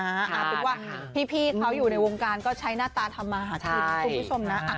คือว่าพี่เขาอยู่ในวงการก็ใช้หน้าตาธรรมหาชีพคุณผู้ชมนะ